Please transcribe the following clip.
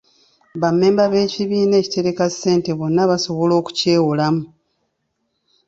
Bammemba b'ekibiina ekitereka ssente bonna basobola okukyewolamu.